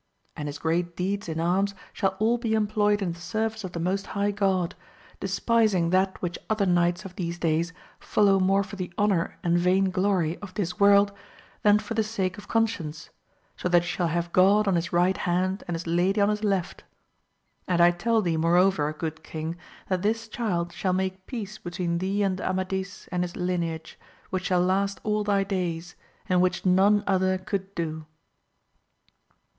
And his great deeds in arms shall all be employed in the service of the Most High God, despising that which other knights of these days follow more for the honour and vain glory of this world than for the sake of conscience, so that he shall have God on his right hand and his lady on his left. And I tell thee moreover good king that this child shall make peace between thee and Amadis and his lineage, which shall last all thy days, and which none other could do.